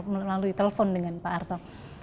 melalui telepon dengan pak arto